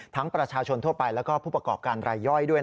ประชาชนทั่วไปแล้วก็ผู้ประกอบการรายย่อยด้วย